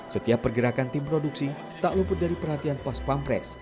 setiap pergerakan tim produksi tak luput dari perhatian pas pampres